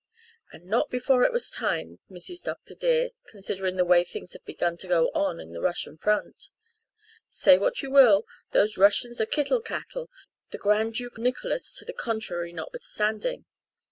"And not before it was time, Mrs. Dr. dear, considering the way things have begun to go on the Russian front. Say what you will, those Russians are kittle cattle, the grand duke Nicholas to the contrary notwithstanding.